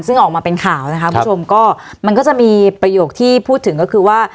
ซึ่งออกมาเป็นข่าวนะคะคุณผู้ชมก็มันก็จะมีประโยคที่พูดถึงก็คือว่า